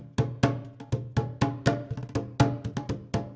jalan jalan men